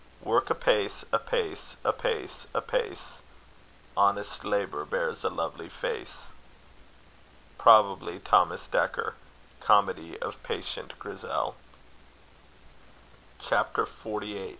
Work apace, apace, apace, apace; Honest labour bears a lovely face. Probably THOMAS DEKKER. Comedy of Patient Grissell. CHAPTER I.